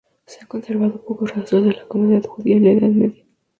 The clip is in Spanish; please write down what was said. Se han conservado pocos rastros de la comunidad judía en la Edad Media.